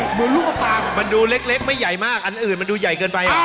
หมูลูกกระปังมันดูเล็กไม่ใหญ่มากอันอื่นมันดูใหญ่เกินไป